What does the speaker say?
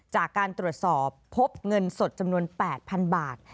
จากการตรวจสอบพบเงินสดจำนวน๘๐๐๐บาท